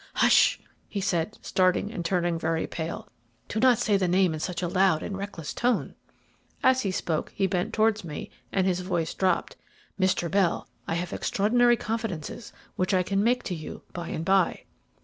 "Hush!" he said, starting and turning very pale. "Do not say the name in such a loud and reckless tone." As he spoke he bent towards me, and his voice dropped. "Mr. Bell, I have extraordinary confidences which I can make to you by and by."